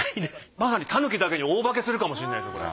まさに狸だけに大化けするかもしれないですこれ。